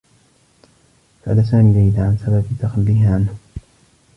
سأل سامي ليلى عن سبب تخلّيها عنه.